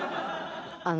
あの。